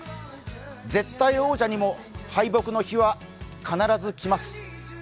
絶対王者にも敗北の日は必ず来ます。